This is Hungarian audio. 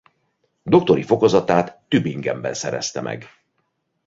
Doktori fokozatát Tübingenben szerezte meg.